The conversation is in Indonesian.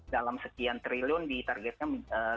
dalam sekian triliun ditargetkan